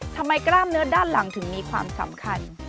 กล้ามเนื้อด้านหลังถึงมีความสำคัญ